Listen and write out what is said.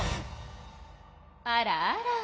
あらあら。